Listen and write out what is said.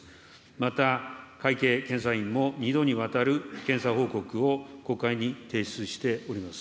また、会計検査院も２度にわたる検査報告を国会に提出しております。